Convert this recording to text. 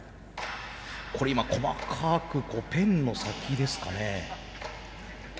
これ今細かくペンの先ですかね。